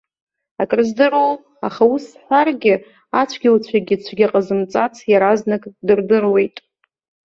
Акрыздыруоу, аха, ус сҳәаргьы, ацәгьауцәагьы цәгьа ҟазымҵац иаразнак дырдыруеит.